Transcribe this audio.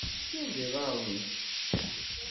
Sired iḍaren-inek.